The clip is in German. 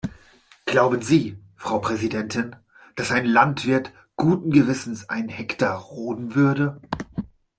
Glauben Sie, Frau Präsidentin, dass ein Landwirt guten Gewissens einen Hektar roden würde?